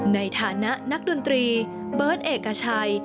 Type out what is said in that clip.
ในฐานะนักดนตรีเบิร์ตเอกชัย